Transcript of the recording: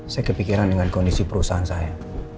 saya kepikiran dengan kondisi perusahaan saya